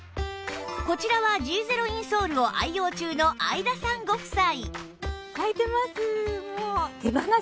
こちらは Ｇ ゼロインソールを愛用中の会田さんご夫妻